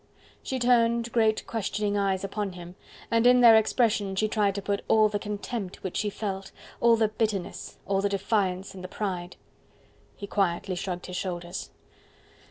She turned great questioning eyes upon him, and in their expression she tried to put all the contempt which she felt, all the bitterness, all the defiance and the pride. He quietly shrugged his shoulders.